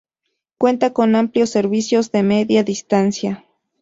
Cuenta con amplios servicios de Media Distancia.